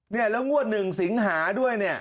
เนี่ยแล้วงวด๑สิงหาด้วยเนี่ย